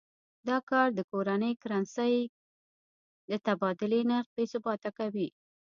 دا کار د کورنۍ کرنسۍ د تبادلې نرخ بې ثباته کوي.